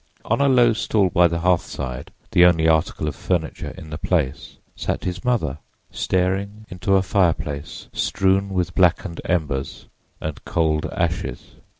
On a low stool by the hearthside, the only article of furniture in the place, sat his mother, staring into a fireplace strewn with blackened embers and cold ashes.